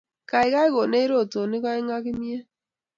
Kaikai konech rotonik aeng ak kimyet